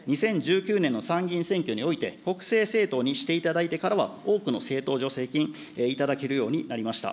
２０１９年の参議院選挙において、国政政党にしていただいてからは、多くの政党助成金、頂けるようになりました。